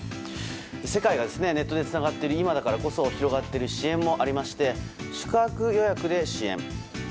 世界がネットでつながっている今だからこそ広がっている支援もありまして宿泊予約で支援。